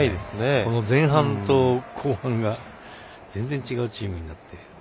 前半と後半が全然違うチームになって。